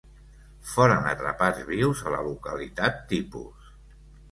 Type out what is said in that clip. Foren atrapats vius a la localitat tipus.